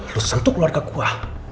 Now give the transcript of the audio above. lu sentuk keluarga gua